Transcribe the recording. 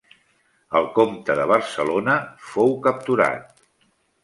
El comte de Barcelona fou capturat.